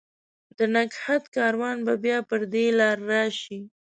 د نګهت کاروان به بیا پر دې لار، راشي